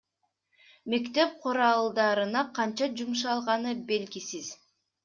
Мектеп куралдарына канча жумшалганы белгисиз.